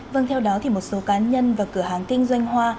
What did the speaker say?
vâng theo đó thì một số cá nhân và cửa hàng kinh doanh hoa